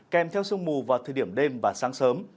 kèm theo sương mù vào thời điểm đêm và sáng sớm